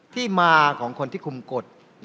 ที่มาของคนที่คุมกฎ